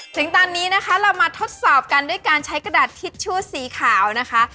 ถึงตอนนี้นะคะเรามาทดสอบกันด้วยการใช้กระดาษทิชชู่สีขาวนะคะ